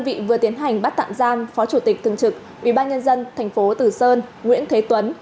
và tiến hành bắt tạm giam phó chủ tịch thương trực ubnd tp tử sơn nguyễn thế tuấn